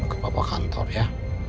ke papa kantor ya